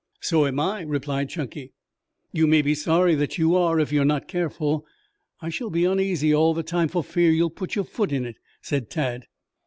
"So am I," replied Chunky. "You may be sorry that you are if you are not careful. I shall be uneasy all the time for fear you'll put your foot in it," said Tad.